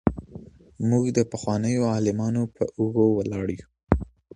موږ د پخوانيو عالمانو په اوږو ولاړ يو.